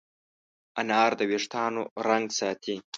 انار د وېښتانو رنګ ساتي.